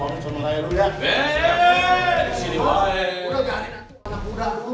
gimana sih kek